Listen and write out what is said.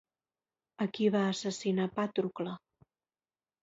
A qui va assassinar Pàtrocle?